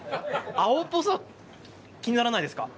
青っぽさ、気にならないですか。